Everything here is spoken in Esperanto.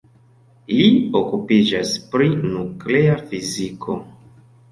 Li okupiĝas pri nuklea fiziko.